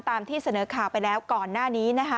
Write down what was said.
ตามที่เสนอข่าวไปแล้วก่อนหน้านี้นะคะ